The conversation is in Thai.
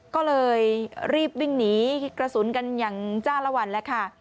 ก็เลยรีบวิ่งหนีกระสุนกันอย่างจ้าละวันแล้วค่ะ